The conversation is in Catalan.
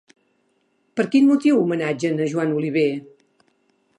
Per quin motiu homenatgen a Joan Oliver?